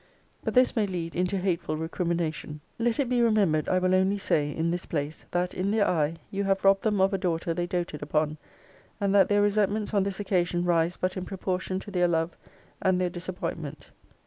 'But this may lead into hateful recrimination. Let it be remembered, I will only say, in this place, that, in their eye, you have robbed them of a daughter they doated upon; and that their resentments on this occasion rise but in proportion to their love and their disappointment.